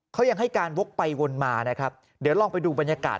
เขายังให้การวกไปวนมานะครับเดี๋ยวลองไปดูบรรยากาศ